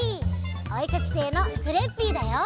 おえかきせいのクレッピーだよ！